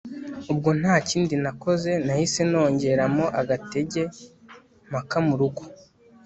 ubwo ntakindi nakoze nahise nongeramo agatege mpaka murugo